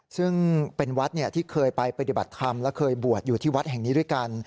ซึ่งเป็นวัดที่เคยไปปฏิบัติธรรมและเคยบวชอยู่ที่วัดแห่งนี้ด้วยกัน